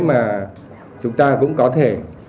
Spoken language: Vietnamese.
mà chúng ta cũng có thể